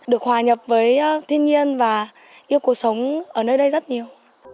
được hòa nhập với thiên nhiên và yêu cuộc sống ở nơi đây rất nhiều